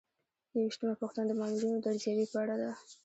یوویشتمه پوښتنه د مامورینو د ارزیابۍ په اړه ده.